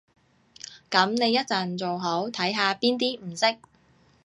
噉你一陣做好，睇下邊啲唔識